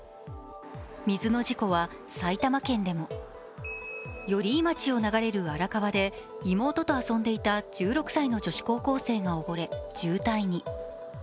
水の事故は埼玉県でも寄居町を流れる荒川で妹と遊んでいた１６歳の女子高校生が溺れ、重体に。